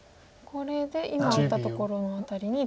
これで今打ったところの辺りに１眼。